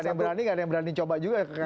nggak ada yang berani coba juga